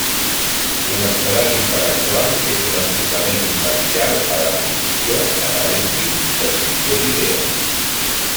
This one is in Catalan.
L'honestedat intel·lectual és un enfocament imparcial a l'adquisició, anàlisi i transmissió d'idees.